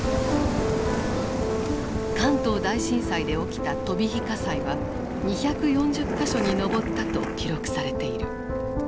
関東大震災で起きた飛び火火災は２４０か所に上ったと記録されている。